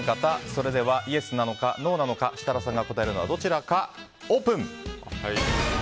それではイエスなのかノーなのか設楽さんが答えるのはどちらかオープン。